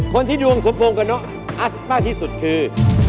คนที่ดวงสมพงศ์กับเรามากที่สุดคือ